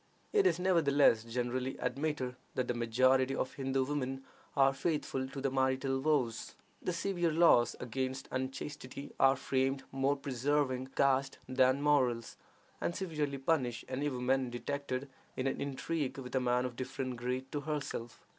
It is, nevertheless, generally admitted that the majority of Hindoo women are faithful to their marital vows. The severe laws against unchastity are framed more for preserving caste than morals, and severely punish any woman detected in an intrigue with a man of different grade to herself.